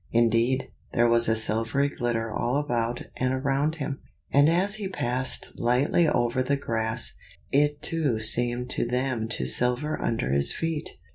Indeed, there was a silvery glitter all about and around him, and as he passed lightly over the grass, it too seemed to them to silver under his feet.